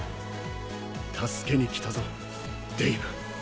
助けに来たぞデイヴ。